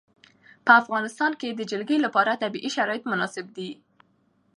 په افغانستان کې د جلګه لپاره طبیعي شرایط مناسب دي.